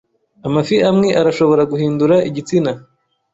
Amafi amwe arashobora guhindura igitsina.